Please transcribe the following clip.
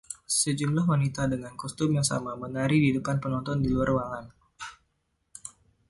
Sejumlah wanita dengan kostum yang sama menari di depan penonton di luar ruangan.